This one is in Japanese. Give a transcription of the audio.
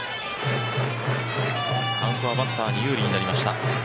カウントはバッターに有利になりました。